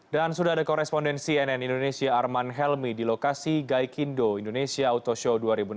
dan sudah ada korespondensi nn indonesia arman helmi di lokasi gaikindo indonesia auto show dua ribu enam belas